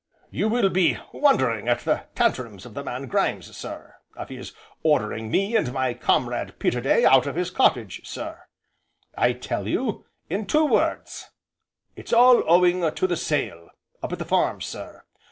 "You will be wondering at the tantrums of the man Grimes, sir, of his ordering me and my comrade Peterday out of his cottage. Sir I'll tell you in two words. It's all owing to the sale up at the Farm, sir.